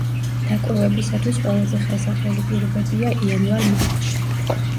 დაკვირვებისათვის ყველაზე ხელსაყრელი პირობებია იანვარ-მარტში.